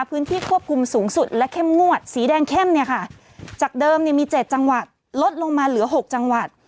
พื้นที่ควบคุมสูงสุดและเข้มงวดสีแดงเข้มเนี่ยค่ะจากเดิมเนี่ยมี๗จังหวัดลดลงมาเหลือหกจังหวัด